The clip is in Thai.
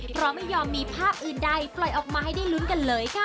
เพราะไม่ยอมมีภาพอื่นใดปล่อยออกมาให้ได้ลุ้นกันเลยค่ะ